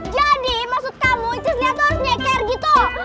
jadi maksud kamu icus lia tuh harus nyeker gitu